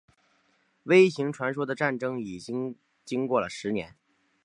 微型传说的战斗已经过了十年。